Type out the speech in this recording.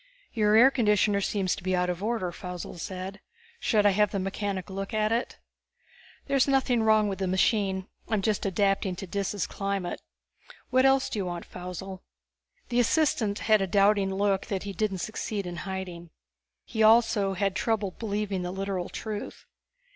"Your air conditioner seems to be out of order," Faussel said. "Should I have the mechanic look at it?" "There's nothing wrong with the machine; I'm just adapting to Dis's climate. What else do you want, Faussel?" The assistant had a doubting look that he didn't succeed in hiding. He also had trouble believing the literal truth.